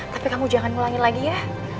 tapi kamu jangan ngulangin lagi ya